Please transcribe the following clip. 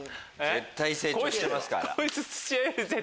絶対成長してますから。